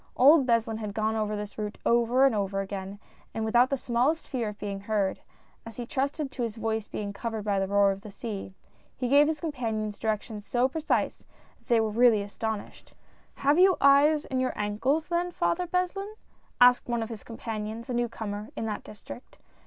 Old Beslin had gone over this route over and over again; and without the smallest fear of being heard — as he trusted to his voice being covered by the roar of the sea — he gave his companions directions so precise, that they were really astonished. " Have you eyes in your ankles then. Father Beslin ?" asked one of his companions — a new comer in that district.